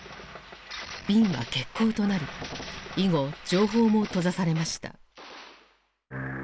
便は欠航となり以後情報も閉ざされました。